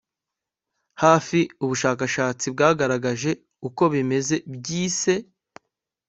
hafi ubushakashatsi bwagaragaje uko bimeze byise